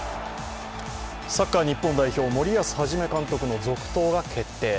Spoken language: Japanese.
サッカー日本代表森保一監督の続投が決定。